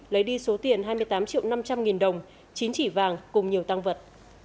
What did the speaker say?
lấy đi số tiền hai mươi tám triệu năm trăm linh nghìn đồng chín chỉ vàng cùng nhiều tăng vật